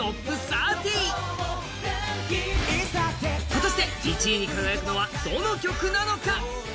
果たして１位に輝くのはどの曲なのか？